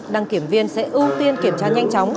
đăng kiểm viên sẽ ưu tiên kiểm tra nhanh chóng